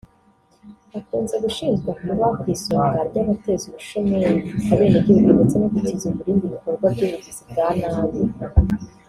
bakunze gushinjwa kuba ku isonga ry’abateza ubushomeri abenegihugu ndetse no gutiza umurindi ibikorwa by’ubugizi bwa nabi